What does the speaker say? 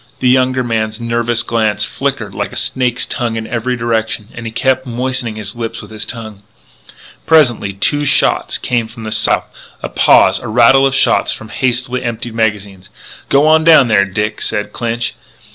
The younger man's nervous glance flickered like a snake's tongue in every direction, and he kept moistening his lips with his tongue. Presently two shots came from the south. A pause; a rattle of shots from hastily emptied magazines. "G'wan down there, Dick!" said Clinch.